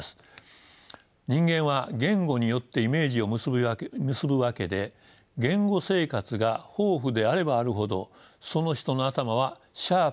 人間は言語によってイメージを結ぶわけで言語生活が豊富であればあるほどその人の頭はシャープになっていきます。